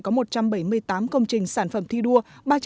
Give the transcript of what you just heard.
có một trăm bảy mươi tám công trình sản phẩm thi đua